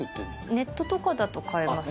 ネットとかだと買えます